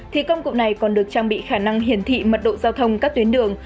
thì công cụ này còn được trang bị khả năng hiển thị mật độ giao thông các tuyến đường